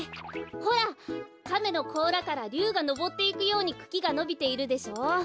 ほらかめのこうらからりゅうがのぼっていくようにくきがのびているでしょう。